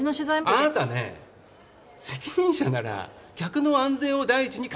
あなたね責任者なら客の安全を第一に。